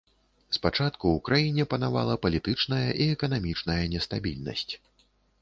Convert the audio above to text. Спачатку ў краіне панавала палітычная і эканамічная нестабільнасць.